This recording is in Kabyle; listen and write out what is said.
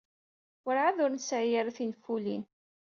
Werɛad ur nesɛi ara tinfulin.